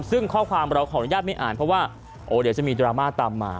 ซึ่งข้อความเราขออนุญาตไม่อ่านเพราะว่าโอ้เดี๋ยวจะมีดราม่าตามมา